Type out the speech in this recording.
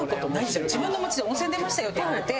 自分の街で温泉出ましたよっていわれて。